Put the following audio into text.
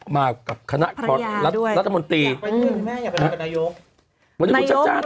มากับคณะพรรยาด้วยรัฐบนตรีแม่งอยากไปรอยกระทงกับนายก